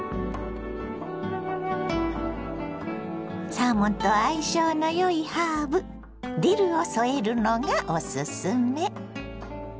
サーモンと相性のよいハーブディルを添えるのがおすすめ。